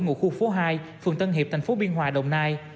ngụ khu phố hai phường tân hiệp tp biên hòa đồng nai